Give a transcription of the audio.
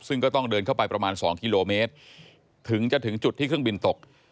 ซึ่งก็ต้องเดินเข้าไปประมาณ๒กิโลเมตรถึงจะถึงจุดที่เครื่องบินตก